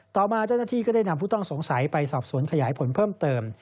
ต่อมาเจ้าหน้าที่ก็ได้นำผู้ต้องสงสัยไปสอบสวนขยายผลเพิ่มเติม